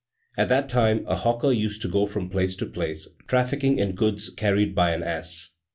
At that time a hawker used to go from place to place, trafficking in goods carried by an ass.